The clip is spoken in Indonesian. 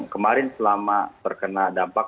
kemarin selama terkena dampak